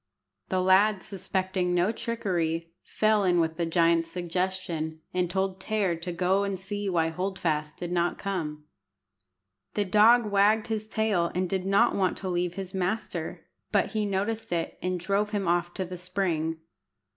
The lad, suspecting no trickery, fell in with the giant's suggestion, and told Tear to go and see why Hold fast did not come. The dog wagged his tail and did not want to leave his master, but he noticed it, and drove him off to the spring.